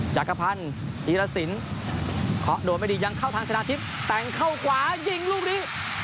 จักรพันธ์อีรสินเคาะโดนไม่ดียังเข้าทางชนะทิพย์แต่งเข้าขวายิงลูกนี้